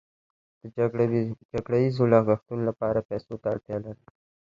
د جګړه ییزو لګښتونو لپاره پیسو ته اړتیا لرله.